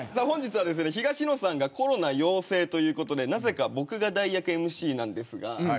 本日はですね、東野さんがコロナ陽性ということでなぜか僕が代役ＭＣなんですが。